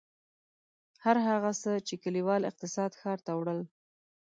هر هغه څه چې کلیوال اقتصاد ښار ته وړل.